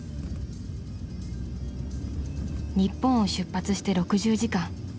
［日本を出発して６０時間］